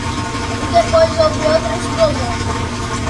E depois houve outra explosão...